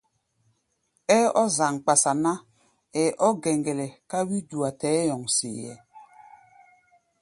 Ɛ́ɛ́ ɔ́ zaŋ-kpasa ná, ɛ́ɛ́ ɔ́ gɛŋgɛlɛ ká wí-dua tɛ́ɛ nyɔ́ŋ see-ɛ́ɛ́.